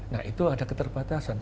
nah itu ada keterbatasan